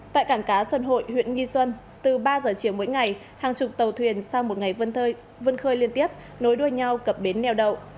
tại cảng cá xuân hội huyện nghi xuân từ ba giờ chiều mỗi ngày hàng chục tàu thuyền sau một ngày vân khơi liên tiếp nối đuôi nhau cập bến neo đậu